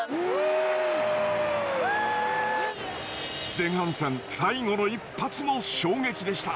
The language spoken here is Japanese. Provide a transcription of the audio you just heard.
前半戦最後の一発も衝撃でした。